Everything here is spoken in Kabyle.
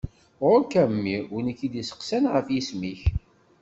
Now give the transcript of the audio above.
Ɣur-k a mmi! Win i k-id-iseqsan ɣef yisem-ik.